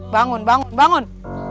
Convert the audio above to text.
bangun bangun bangun